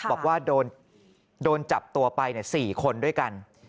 บอกว่าโดนจับตัวไป๔คนด้วยกัน